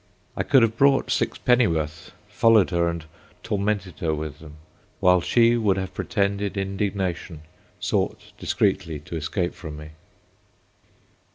I could have bought sixpenny worth, followed her, and tormented her with them; while she would have pretended indignation—sought, discreetly, to escape from me.